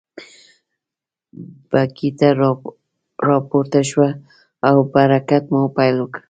بګۍ ته را پورته شوه او په حرکت مو پيل وکړ.